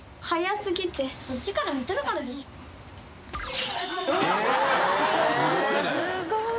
すごいね。